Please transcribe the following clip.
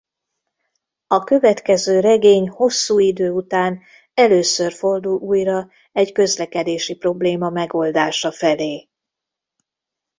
A következő regény hosszú idő után először fordul újra egy közlekedési probléma megoldása felé.